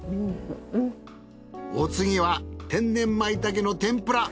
お次は天然まいたけの天ぷら。